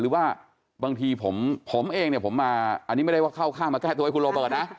หรือว่าบางทีผมเองเนี่ยผมมาอันนี้ไม่ได้ว่าเข้าข้างมาแก้ตัวให้คุณโรเบิร์ตนะ